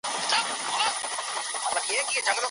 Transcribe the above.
مولدي پروژې هره ورځ نوي دندي رامنځته کوي.